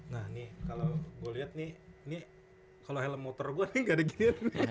nah nih kalau gue lihat nih ini kalau helm motor gue nih gak ada gini